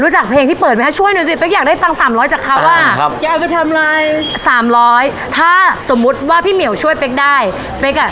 รู้จักเพลงที่เปิดไหมคะ